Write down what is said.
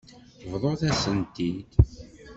Bḍut-as-tent-id.